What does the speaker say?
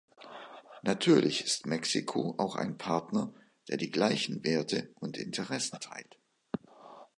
Natürlich ist Mexiko auch ein Partner, der die gleichen Werte und Interessen teilt.